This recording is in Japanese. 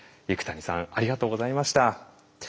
幾谷さんありがとうございました。